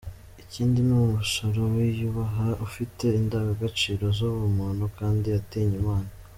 Ikindi ni umusore wiyubaha, ufite indangagaciro z’ub’umuntu, kandi atinya Imana.